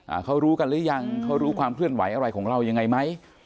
เขารู้กันหรือยังเขารู้ความเคลื่อนไหวอะไรของเรายังไงไหม